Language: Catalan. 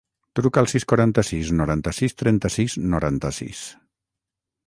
Truca al sis, quaranta-sis, noranta-sis, trenta-sis, noranta-sis.